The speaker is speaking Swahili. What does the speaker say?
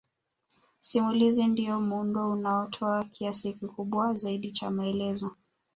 Simulizi ndiyo muundo unaotoa kiasi kikubwa zaidi cha maelezo